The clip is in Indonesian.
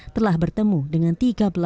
telah bertemu dengan tiga belas negara mitra